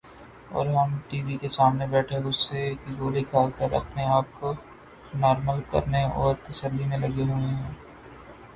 اور ہم روز ٹی وی کے سامنے بیٹھے غصے کی گولی کھا کر اپنے آپ کو نارمل کرنے اور تسلی میں لگے ہوئے ہیں ۔